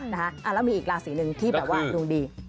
แล้วมีอีกราศีหนึ่งที่แบบว่าดวงดี